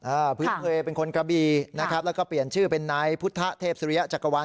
พื้นเพลเป็นคนกระบีนะครับแล้วก็เปลี่ยนชื่อเป็นนายพุทธเทพสุริยะจักรวรรณ